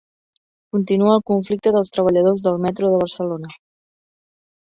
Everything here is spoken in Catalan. Continua el conflicte dels treballadors del metro de Barcelona